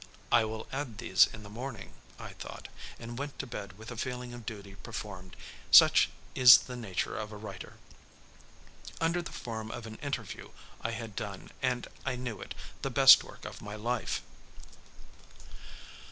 "I will add these in the morning," I thought, and went to bed with a feeling of duty performed, such is the nature of a writer. Under the form of an interview I had done, and I knew it, the best work of my life.